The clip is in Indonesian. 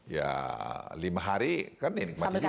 ya lima hari kan ini kematian juga